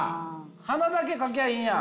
花だけ描きゃいいんや。